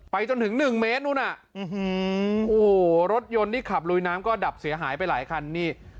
ไปจนถึง๑เมตรรถยนต์ที่ขับรุยน้ำก็ดับเสียหายไปหลายคัน